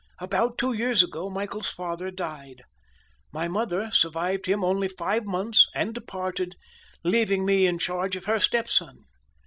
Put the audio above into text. About two years ago, Michael's father died. My mother survived him only five months, and departed, leaving me in charge of her stepson.